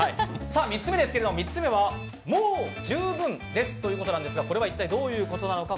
３つ目ですが３つ目はもう十分ですということなんですがこれはいったいどういうことなのか。